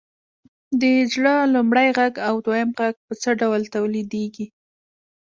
د زړه لومړی غږ او دویم غږ په څه ډول تولیدیږي؟